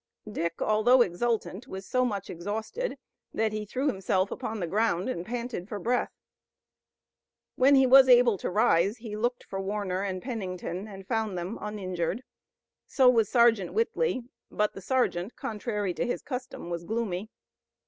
Dick, although exultant, was so much exhausted that he threw himself upon the ground and panted for breath. When he was able to rise he looked for Warner and Pennington and found them uninjured. So was Sergeant Whitley, but the sergeant, contrary to his custom, was gloomy.